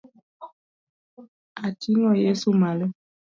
Atingo Yeso malo.